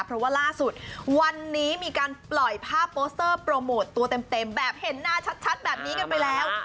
เพราะว่าล่าสุดวันนี้มีการปล่อยภาพโปสเตอร์โปรโมทตัวเต็มแบบเห็นหน้าชัดแบบนี้กันไปแล้ว